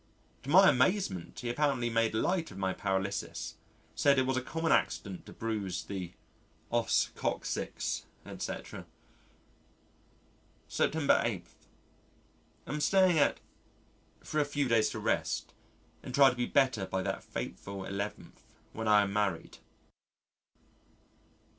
To my amazement, he apparently made light of my paralysis, said it was a common accident to bruise the os coccyx, etc. September 8. Am staying at for a few days to rest and try to be better by that fateful 11th, when I am married.